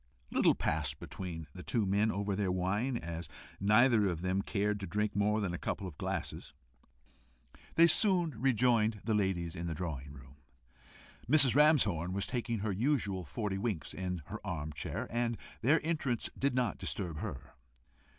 Little passed between the two men over their wine; and as neither of them cared to drink more than a couple of glasses, they soon rejoined the ladies in the drawing room. Mrs. Ramshorn was taking her usual forty winks in her arm chair, and their entrance did not disturb her.